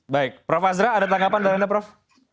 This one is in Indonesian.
baik prof azra ada tanggapan dari anda prof